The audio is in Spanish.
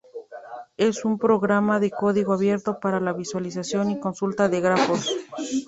Es un programa de código abierto para la visualización y consulta de grafos.